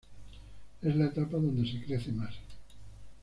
Es la etapa donde se crece más.